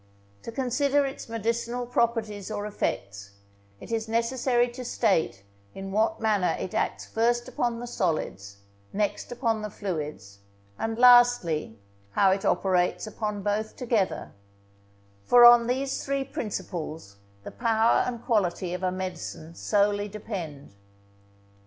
To consider its medicinal properties or effects, it is necessary to state in what manner it acts first upon the solids, next upon the fluids, and lastly, how it operates upon both together; for on these three principles the power and quality of a medicine solely depend.